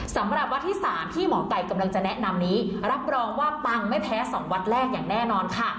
สำหรับวัดที่๓ที่หมอไก่กำลังจะแนะนำนี้รับรองว่าปังไม่แพ้๒วัดแรกอย่างแน่นอนค่ะ